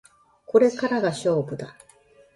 これからが勝負だ